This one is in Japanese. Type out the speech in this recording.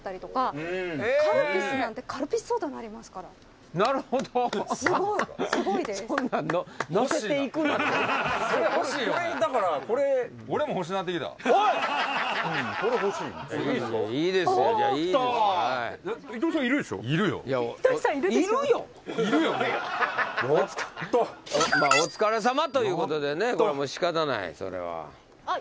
お疲れさまということでね仕方ないそれは。